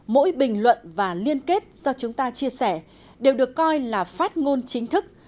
mỗi bình luận và liên kết do chúng ta chia sẻ đều được coi là phát ngôn chính thức